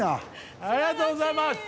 ありがとうございます。